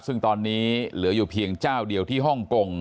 ซึ่งตอนนี้เหลืออยู่เพียงเจ้าเดียวที่ฮ่องกง